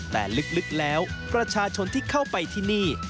แต่ลึกแล้วประชาชนที่เข้าไปที่นี่